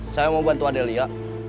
saya mau bantu adelia